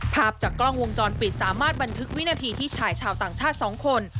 ภาพจากกล้องวงจรปิดสามารถบันทึกวินาทีที่ชายชาวต่างชาติ๒คน